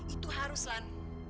itu harus lan